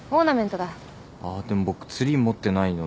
あーでも僕ツリー持ってないので。